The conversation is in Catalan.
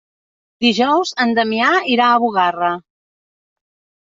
Dijous en Damià irà a Bugarra.